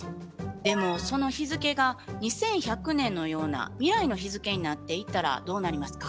でもその日付が「２１００年」のような未来の日付になっていたらどうなりますか？